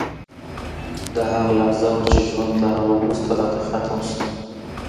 دا هغه لحظه وه چې ژوند له هغه وروسته راته ختم شو